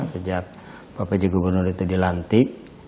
sejak pak pj gubernur itu dilantik